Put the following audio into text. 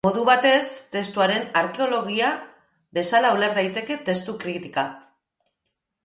Modu batez, testuaren arkeologia bezala uler daiteke testu kritika.